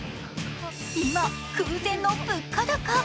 今、空前の物価高。